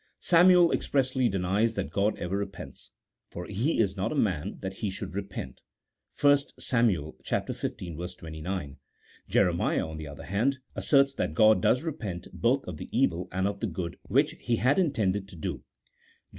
Samuel expressly denies that God ever repents, " for he is not a man that he should repent" (1 Sam. xv. 29). Jeremiah, on the other hand, asserts that God does repent, both of the evil and of the good which He had intended to do (Jer.